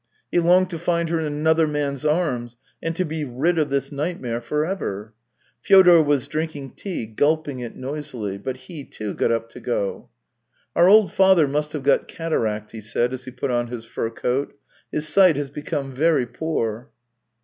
He longed to find her in another man's arms, and to be rid of this nightmare for ever, Fyodor was drinking tea, gulping it noisily. But he, too, got up to go. " Our old father must have got cataract," he said, as he put on his fur coat. " His sight has become very poor."